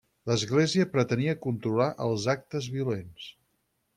L’església pretenia controlar els actes violents.